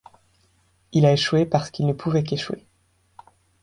Il a échoué parce qu’il ne pouvait qu’échouer.